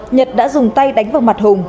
nhật đã dùng tay đánh vào mặt hùng